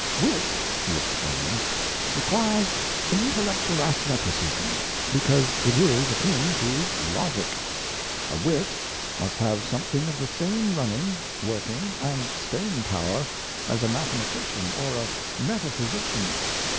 "Wit," he explains, "requires an intellectual athleticism, because it is akin to logic. A wit must have something of the same running, working, and staying power as a mathematician or a metaphysician.